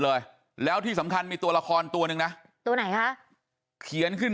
เลยแล้วที่สำคัญมีตัวละครตัวนึงนะตัวไหนคะเขียนขึ้น